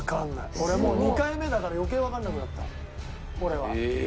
俺もう２回目だから余計わかんなくなったこれは。